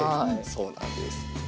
そうなんです。